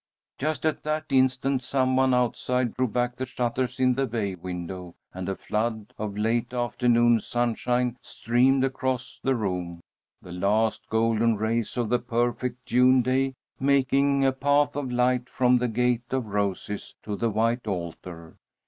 Just at that instant some one outside drew back the shutters in the bay window, and a flood of late afternoon sunshine streamed across the room, the last golden rays of the perfect June day making a path of light from the gate of roses to the white altar.